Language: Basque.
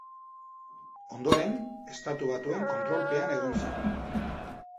Ondoren, Estatu Batuen kontrolpean egon zen.